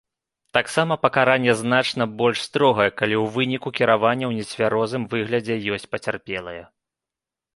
Таксама пакаранне значна больш строгае, калі ў выніку кіравання ў нецвярозым выглядзе ёсць пацярпелыя.